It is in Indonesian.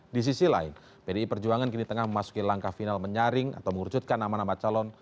di sisi lain pdi perjuangan kini tengah memasuki langkah final menyaring atau mengurucutkan nama nama calon